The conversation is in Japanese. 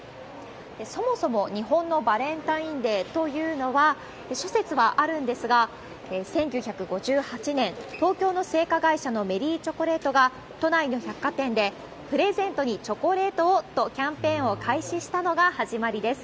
そもそも、日本のバレンタインデーというのは、諸説はあるんですが、１９５８年、東京の製菓会社のメリーチョコレートが、都内の百貨店で、プレゼントにチョコレートをと、キャンペーンを開始したのが始まりです。